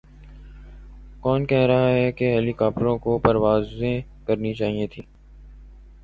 کون کہہ رہاہے کہ ہیلی کاپٹروں کو پروازیں کرنی چائیں تھیں۔